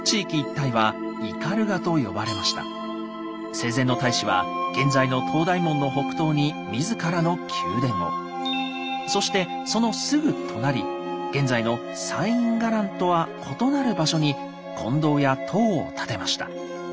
生前の太子は現在の東大門の北東に自らの宮殿をそしてそのすぐ隣現在の西院伽藍とは異なる場所に金堂や塔を建てました。